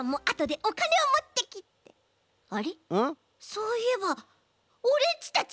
そういえばオレっちたち